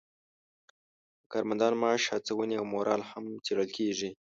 د کارمندانو معاش، هڅونې او مورال هم څیړل کیږي.